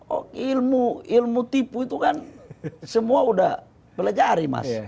oh ilmu ilmu tipu itu kan semua sudah pelajari mas